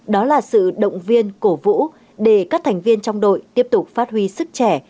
đó là sự động viên cổ vũ để các thành viên trong đội tiếp tục phát huy sức trẻ